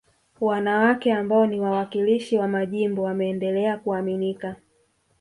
Wanawake ambao ni wawakilishi wa majimbo wameendelea kuaminika